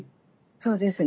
そうですね。